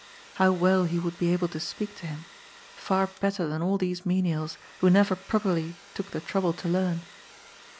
How well he would be able to speak to him, far better than all these menials, who never properly took the trouble to learn.